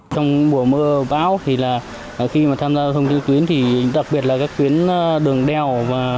trong mùa mưa bão thì là khi mà tham gia giao thông trên tuyến thì đặc biệt là các tuyến đường đèo